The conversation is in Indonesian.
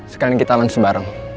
sekalian kita lunch bareng